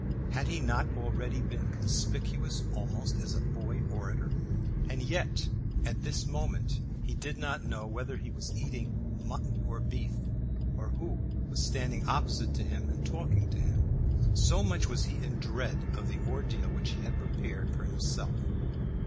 Had he not already been conspicuous almost as a boy orator? And yet, at this moment he did not know whether he was eating mutton or beef, or who was standing opposite to him and talking to him, so much was he in dread of the ordeal which he had prepared for himself.